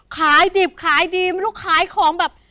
ขายดิบขายดีไม่รู้ขายของแบบ